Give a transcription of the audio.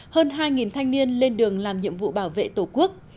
hơn hai thanh niên lên đường làm nhiệm vụ bảo vệ tổ quốc